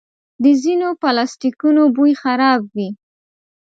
د ځینو پلاسټیکونو بوی خراب وي.